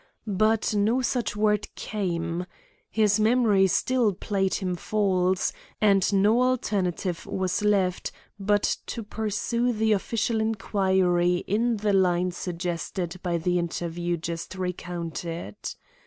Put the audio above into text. But no such word came. His memory still played him false, and no alternative was left but to pursue the official inquiry in the line suggested by the interview just recounted.